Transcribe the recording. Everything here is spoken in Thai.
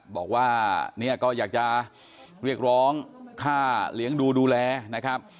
บอกว่าเนี่ยก็อยากจะเรียกร้องค่าเลี้ยงดูดูแลนะครับ